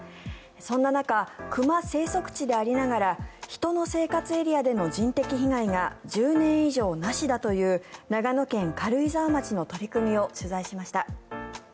そんな中、熊生息地でありながら人の生活エリアでの人的被害が１０年以上なしだという長野県軽井沢町の取り組みを取材しました。